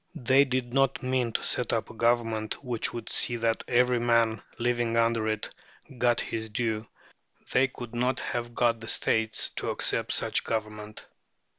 They did not mean to set up a government which would see that every man living under it got his due. They could not have got the States to accept such a government.